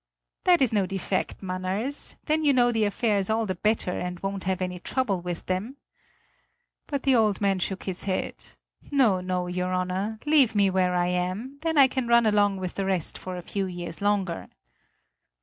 "That is no defect, Manners; then you know the affairs all the better and won't have any trouble with them." But the old man shook his head: "No, no, your Honor, leave me where I am, then I can run along with the rest for a few years longer."